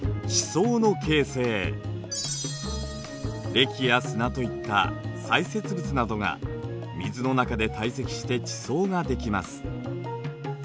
れきや砂といった砕屑物などが水の中で堆積して地層ができます。